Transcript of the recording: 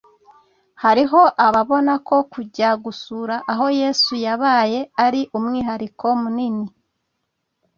Hariho ababona ko kujya gusura aho Yesu yabaye ari umwihariko munini,